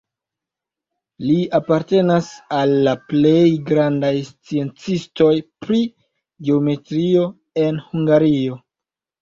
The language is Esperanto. Li apartenas al la plej grandaj sciencistoj pri geometrio en Hungario.